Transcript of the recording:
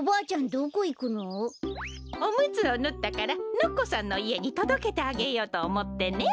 どこいくの？おむつをぬったからのっこさんのいえにとどけてあげようとおもってね。